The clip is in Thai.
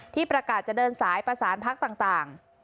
ที่ประกาศจะเดินสายประสานพักต่าง